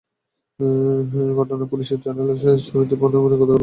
থাই পুলিশের general Somyot Poompanmoung গতকাল ঘটনার আলোচিত কেন্দ্রস্থল শংখলায় যান।